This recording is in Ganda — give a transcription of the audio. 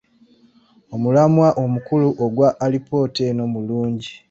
Omulamwa omukulu ogwa alipoota eno mulungi.